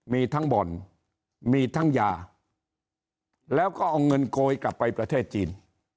มีทั้งบ่อนมีทั้งยาแล้วก็เอาเงินโกยกลับไปประเทศจีน